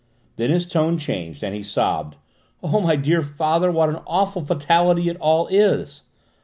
Then his tone changed and he sobbed. "Oh, my poor father, what an awful fatality it all is!"